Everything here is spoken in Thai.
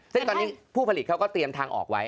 ซึ่งตอนนี้ผู้ผลิตเขาก็เตรียมทางออกไว้